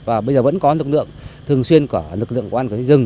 và bây giờ vẫn có lực lượng thường xuyên của lực lượng quan trọng rừng